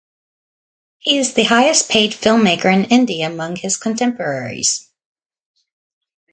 He is the highest paid film-maker in India among his contemporaries.